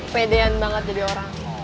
pedean banget jadi orang